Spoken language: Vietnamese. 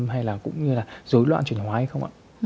hay là cũng như là dối loạn chuyển hóa hay không ạ